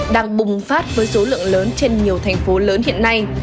đang bùng phát với số lượng lớn trên nhiều thành phố lớn hiện nay